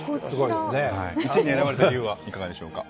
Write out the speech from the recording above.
１位に選ばれた理由はいかがでしょうか？